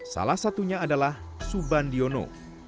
salah satunya adalah suban diono